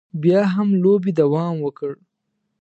بیا هم لوبې دوام وکړ.